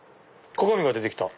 鏡が出て来た。